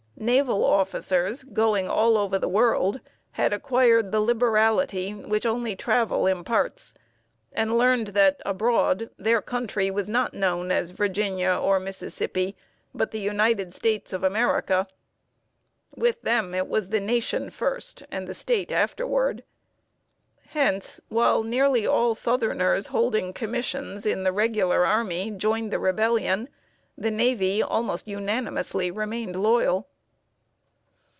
Naval officers, going all over the world, had acquired the liberality which only travel imparts, and learned that, abroad, their country was not known as Virginia or Mississippi, but the United States of America. With them, it was the Nation first, and the State afterward. Hence, while nearly all southerners holding commissions in the regular army joined the Rebellion, the navy almost unanimously remained loyal.